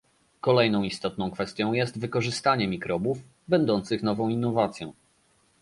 Kolejną istotną kwestią jest wykorzystanie mikrobów, będących nową innowacją